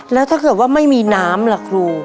แล้วถ้าเกิดว่าไม่มีน้ำล่ะครู